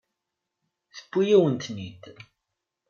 Tewwi-yawen-ten-id.